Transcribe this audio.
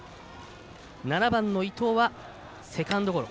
７番の伊藤はセカンドゴロ。